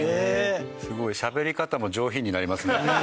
すごいしゃべり方も上品になりますね。